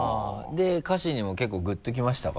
で歌詞にも結構グッときましたか？